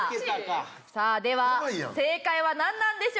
さあでは正解はなんなんでしょうか？